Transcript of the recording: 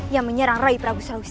yang menyerang rai prabu selausesa